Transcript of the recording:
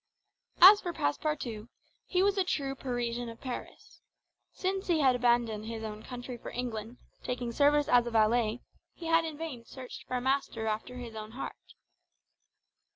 As for Passepartout, he was a true Parisian of Paris. Since he had abandoned his own country for England, taking service as a valet, he had in vain searched for a master after his own heart.